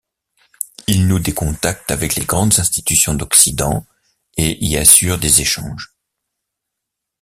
Il noue des contacts avec les grandes institutions d'occident et y assure des échanges.